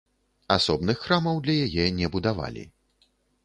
Асобных храмаў для яе не будавалі.